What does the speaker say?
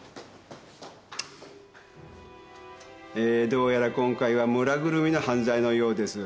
えーどうやら今回は村ぐるみの犯罪のようです。